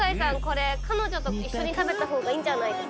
これ彼女と一緒に食べた方がいいんじゃないですか？